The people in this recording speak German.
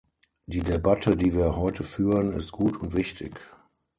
Die Debatte, die wir heute führen, ist gut und wichtig.